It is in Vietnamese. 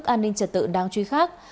các an ninh trật tự đang truy khác